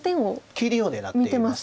切りを狙っています。